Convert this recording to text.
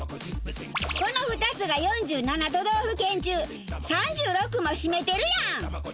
この２つが４７都道府県中３６も占めてるやん！